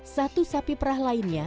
satu sapi perah lainnya